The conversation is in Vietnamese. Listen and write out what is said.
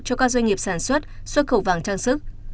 cho các doanh nghiệp sản xuất xuất khẩu vàng trang sức